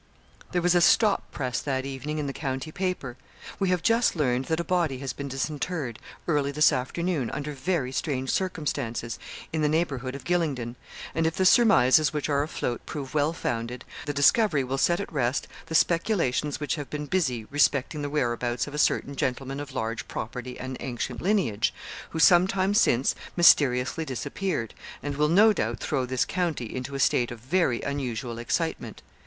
There was a 'stop press' that evening in the county paper 'We have just learned that a body has been disinterred, early this afternoon, under very strange circumstances, in the neighbourhood of Gylingden; and if the surmises which are afloat prove well founded, the discovery will set at rest the speculations which have been busy respecting the whereabouts of a certain gentleman of large property and ancient lineage, who, some time since, mysteriously disappeared, and will, no doubt, throw this county into a state of very unusual excitement.